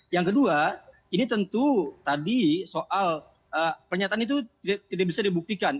yang kedua ini tentu tadi soal pernyataan itu tidak bisa dibuktikan